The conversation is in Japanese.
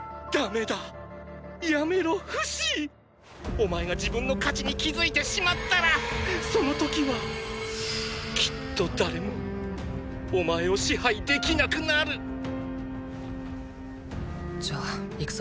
お前が自分の価値に気付いてしまったらその時はきっと誰もお前を支配できなくなるじゃあいくぞ。！